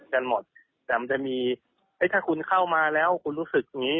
กันหมดแต่มันจะมีเอ๊ะถ้าคุณเข้ามาแล้วคุณรู้สึกอย่างนี้